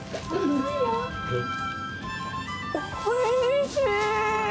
おいしい！